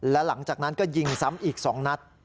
และหลังจากนั้นก็ยิงซ้ำอีก๒นัด